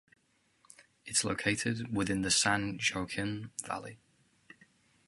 It is located within the San Joaquin Valley.